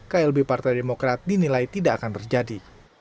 klb partai demokrat dinilai tidak akan terjadi